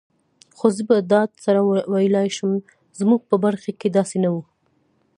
خو زه په ډاډ سره ویلای شم، زموږ په برخه کي داسي نه وو.